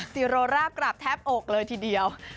ซีโรร่ากลับแทบอกเลยทีเดียว